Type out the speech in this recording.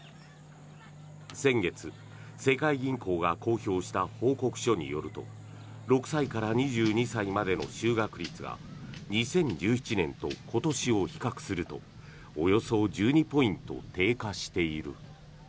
先月、世界銀行が公表した報告書によると６歳から２２歳までの就学率が２０１７年と今年を比較するとおよそ１２ポイント低下している。